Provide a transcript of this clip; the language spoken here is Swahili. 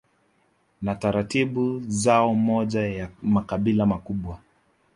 na taratibu zao Moja ya makabila makubwa